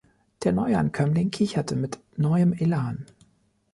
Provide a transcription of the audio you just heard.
Der Neuankömmling kicherte mit neuem Elan.